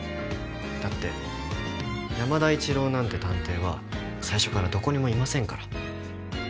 だって山田一郎なんて探偵は最初からどこにもいませんから。